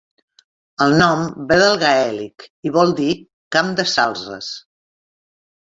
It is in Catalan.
El nom ve del gaèlic i vol dir "camp de salzes".